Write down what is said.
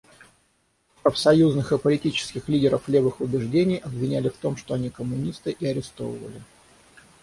Профсоюзных и политических лидеров левых убеждений обвиняли в том, что они коммунисты, и арестовывали.